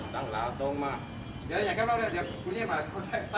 ตั้งหลาตรงมา